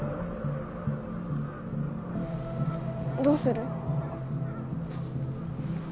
どうする？